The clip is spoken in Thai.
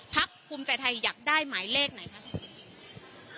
พักภูมิใจไทยอยากได้หมายเลขไหนคะคุณอนุทิน